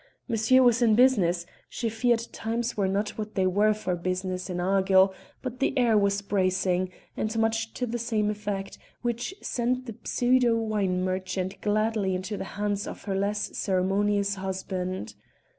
Monsieur was in business; she feared times were not what they were for business in Argyll, but the air was bracing and much to the same effect, which sent the pseudo wine merchant gladly into the hands of her less ceremonious husband.